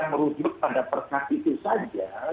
merujuk pada perkas itu saja